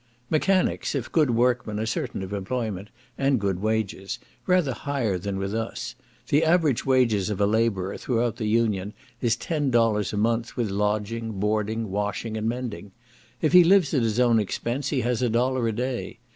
Mechanics, if good workmen, are certain of employment, and good wages, rather higher than with us; the average wages of a labourer throughout the Union is ten dollars a month, with lodging, boarding, washing, and mending; if he lives at his own expense he has a dollar a day.